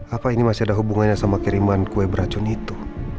apa ini masih ada hubungannya sama kiriman kue beracun itu